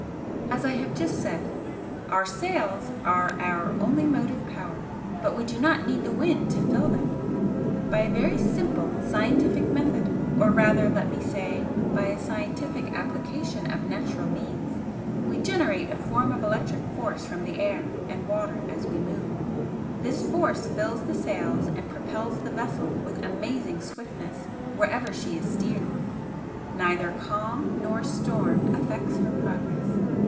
"As I have just said, our sails are our only motive power, but we do not need the wind to fill them. By a very simple scientific method, or rather let me say by a scientific application of natural means, we generate a form of electric force from the air and water as we move. This force fills the sails and propels the vessel with amazing swiftness wherever she is steered. Neither calm nor storm affects her progress.